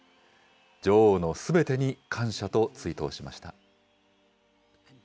女王のすべてに感謝と追悼しました。